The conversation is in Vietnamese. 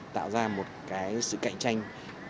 tạo ra một cái sự cạnh tranh